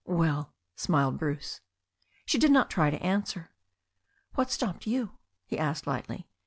"Well," smiled Bruce. She did not try to answer. "What stopped you?" he asked lightly.